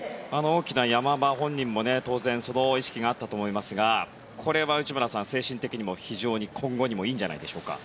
大きな山場、本人も当然その意識があったと思いますがこれは内村さん、精神的にも非常に今後にもいいんじゃないでしょうか。